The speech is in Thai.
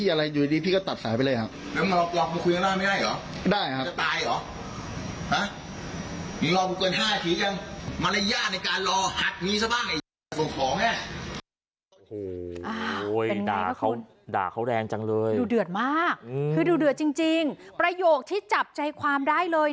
ด่าครับด่าเขาแดงจังเลยอ่ะมากคือดูจึนจริงประโยคที่จับใจความได้เลย